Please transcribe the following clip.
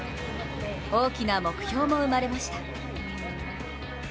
大きな目標も生まれました。